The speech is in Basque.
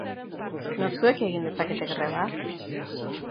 Nortzuek egin dezakete greba?